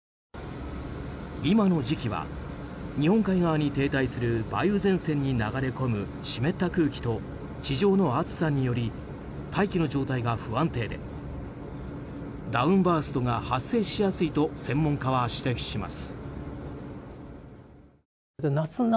今の時期は日本海側に停滞する梅雨前線に流れ込む湿った空気と地上の暑さにより大気の状態が不安定でダウンバーストが発生しやすいと専門家は指摘します。